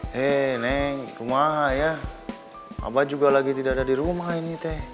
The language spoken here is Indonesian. hei neng rumah ya abah juga lagi tidak ada di rumah ini teh